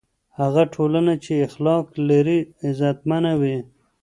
هغه ټولنه چې اخلاق لري، عزتمنه وي.